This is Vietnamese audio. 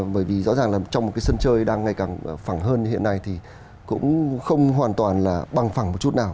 bởi vì rõ ràng là trong một cái sân chơi đang ngày càng phẳng hơn hiện nay thì cũng không hoàn toàn là bằng phẳng một chút nào